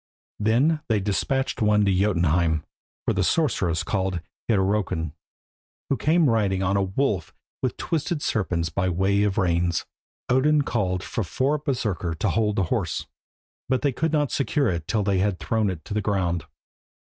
Then they despatched one to Jotunheim for the sorceress called Hyrrokin, who came riding on a wolf with twisted serpents by way of reins. Odin called for four Berserkir to hold the horse, but they could not secure it till they had thrown it to the ground.